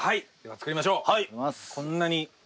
作りましょう。